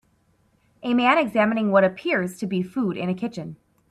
A man examining what appears to be food in a kitchen.